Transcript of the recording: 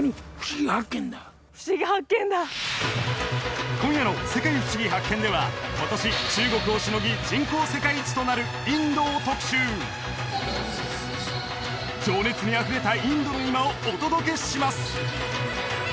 ふしぎ発見だ今夜の「世界ふしぎ発見！」では今年中国をしのぎ人口世界一となるインドを特集情熱にあふれたインドの今をお届けします